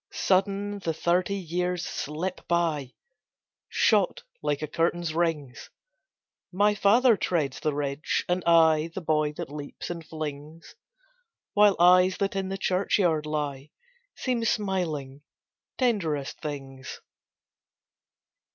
Sudden, the thirty years slip by, Shot like a curtain's rings ! My father treads the ridge, and I The boy that leaps and flings, While eyes that in the churchyard lie Seem smiling tenderest things.